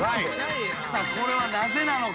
さあこれはなぜなのか？